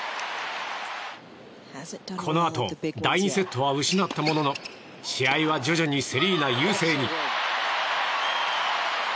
このあと第２セットは失ったものの試合は徐々にセリーナ優勢に。